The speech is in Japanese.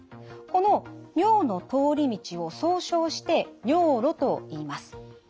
この尿の通り道を総称して尿路といいます。